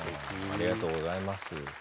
ありがとうございます。